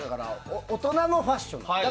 大人のファッションなのよ。